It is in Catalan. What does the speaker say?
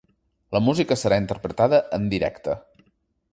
La música serà interpretada en directe.